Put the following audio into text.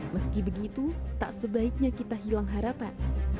meski begitu tak sebaiknya kita hilang harapan